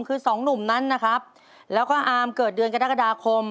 คือสองหนุ่มนั้นนะครับแล้วก็อามเกิดเดือนกรกฎาคม